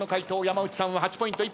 山内さんは８ポイント。